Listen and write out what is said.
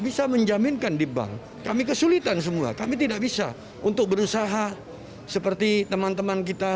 bisa menjaminkan di bank kami kesulitan semua kami tidak bisa untuk berusaha seperti teman teman kita